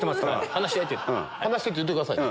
離して！って言ってくださいね。